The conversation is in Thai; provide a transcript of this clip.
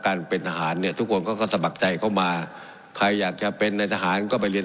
การเป็นทหารเนี่ยทุกคนเขาก็สมัครใจเข้ามาใครอยากจะเป็นในทหารก็ไปเรียน